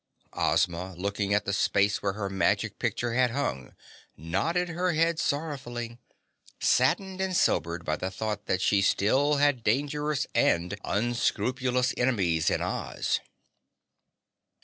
Ozma, looking at the space where her magic picture had hung, nodded her head sorrowfully, saddened and sobered by the thought that she still had dangerous and unscrupulous enemies in Oz.